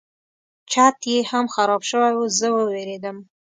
چت یې هم خراب شوی و زه وویرېدم.